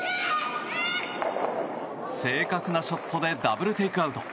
正確なショットでダブルテイクアウト。